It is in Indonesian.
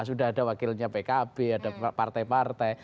sudah ada wakilnya pkb ada partai partai